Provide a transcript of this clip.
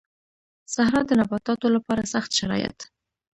صحرا د نباتاتو لپاره سخت شرايط